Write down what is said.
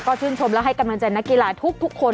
ก็ชื่นชมและให้กำลังใจนักกีฬาทุกคน